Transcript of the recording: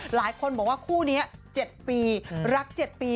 หลายคนบอกว่าคู่นี้๗ปีรัก๗ปี